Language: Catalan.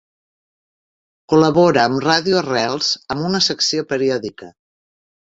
Col·labora amb Ràdio Arrels amb una secció periòdica.